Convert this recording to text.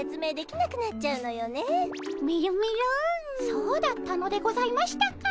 そうだったのでございましたか。